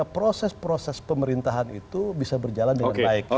proses proses pemerintahan itu bisa berjalan dengan baik